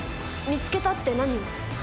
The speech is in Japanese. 見つけたって何を？